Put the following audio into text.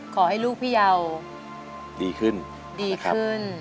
ขอให้ลูกพี่ยาวดีขึ้น